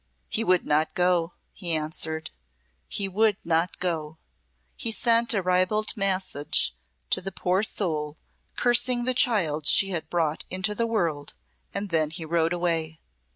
"He would not go," he answered; "he would not go. He sent a ribald message to the poor soul cursing the child she had brought into the world, and then he rode away.